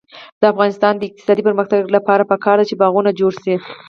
د افغانستان د اقتصادي پرمختګ لپاره پکار ده چې باغونه جوړ شي.